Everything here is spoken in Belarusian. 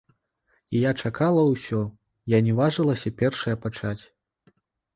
І я чакала ўсё, я не важылася першая пачаць.